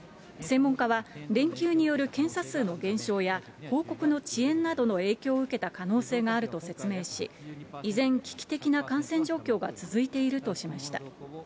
専門家は連休による検査数の減少や、報告の遅延などの影響を受けた可能性があると説明し、依然、危機的な感染状況が続いているとしました。